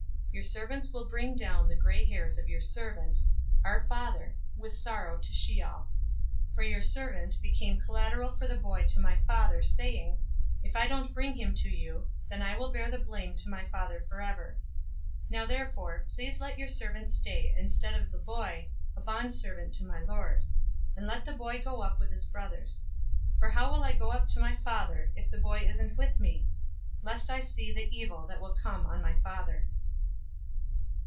Your servants will bring down the gray hairs of your servant, our father, with sorrow to Sheol. 044:032 For your servant became collateral for the boy to my father, saying, 'If I don't bring him to you, then I will bear the blame to my father forever.' 044:033 Now therefore, please let your servant stay instead of the boy, a bondservant to my lord; and let the boy go up with his brothers. 044:034 For how will I go up to my father, if the boy isn't with me? lest I see the evil that will come on my father."